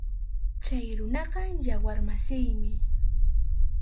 Chay runaqa yawar masiymi.